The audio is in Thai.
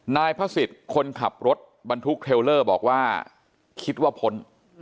นายพระศิษย์คนขับรถบรรทุกเทลเลอร์บอกว่าคิดว่าพ้น